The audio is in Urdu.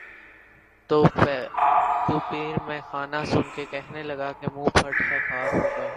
تو پیر مے خانہ سن کے کہنے لگا کہ منہ پھٹ ہے خار ہوگا